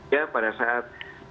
ya pada saat